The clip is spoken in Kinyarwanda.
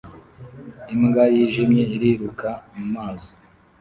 Imbwa yijimye iriruka mumazi